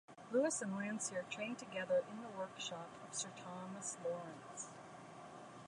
Lewis and Landseer trained together in the workshop of Sir Thomas Lawrence.